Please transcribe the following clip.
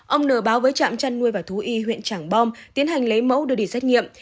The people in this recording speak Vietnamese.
ông n báo với trạm chăn nuôi và thú y huyện trảng bom tiến hành lấy mẫu đưa đi xét nghiệm